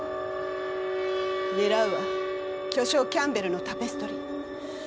狙うは巨匠キャンベルのタペストリー。